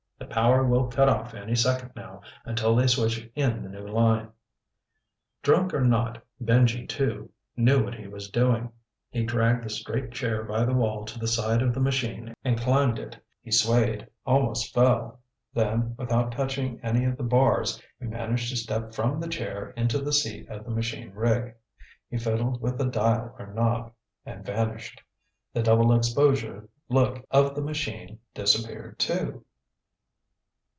The power will cut off any second now, until they switch in the new line." Drunk or not, Benji II knew what he was doing. He dragged the straight chair by the wall to the side of the machine and climbed it. He swayed, almost fell. Then, without touching any of the bars, he managed to step from the chair into the seat of the machine rig. He fiddled with a dial or knob and vanished. The double exposure look of the machine disappeared too.